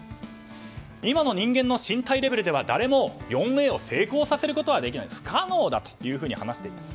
今の人間の身体レベルでは誰も４Ａを成功させることはできない不可能だというふうに話していたと。